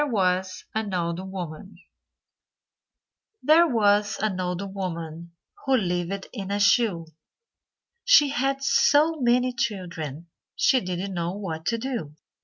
[Illustration: Harvey Peake] _There was an old woman Who lived in a shoe, She had so many children She didn't know what to do.